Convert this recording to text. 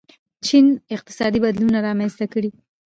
چین اقتصادي بدلونونه رامنځته کړي.